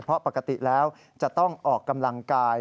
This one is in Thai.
เพราะปกติแล้วจะต้องออกกำลังกาย